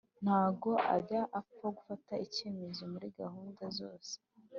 ntago ajya apfa gufata ikemezo muri gahunda zose